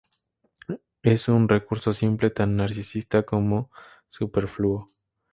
Es un recurso simple, tan narcisista como superfluo.